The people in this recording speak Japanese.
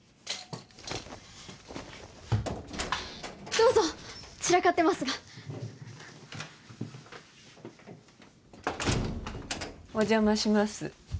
どうぞちらかってますがお邪魔します